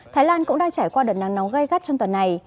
thái lan cũng đang trải qua đợt nắng nóng gai gắt trong tuần này